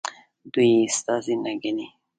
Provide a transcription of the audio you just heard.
دوی یې استازي نه ګڼي.